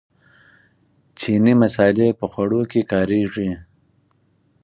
چیني مسالې په خوړو کې کاریږي.